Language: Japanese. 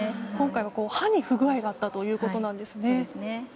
今回は刃に不具合があったということですね。